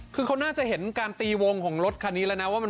คือเขาน่าจะเห็นการตีวงของรถคันนี้แล้วนะว่า